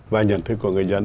và nhận thức của người dân